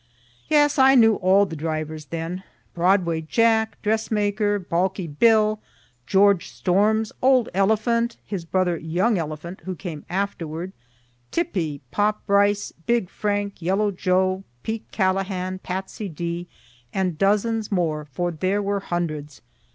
Yes, I knew all the drivers then, Broadway Jack, Dressmaker, Balky Bill, George Storms, Old Elephant, his brother Young Elephant (who came afterward,) Tippy, Pop Rice, Big Frank, Yellow Joe, Pete Callahan, Patsey Dee, and dozens more; for there were hundreds.